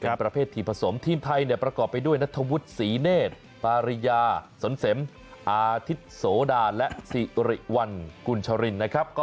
เป็นประเภททีมผสมทีมไทยเนี่ยประกอบไปด้วยนัทธวุฒิศรีเนธปาริยาสนเสมอาทิตย์โสดาและสิริวัลกุญชรินนะครับ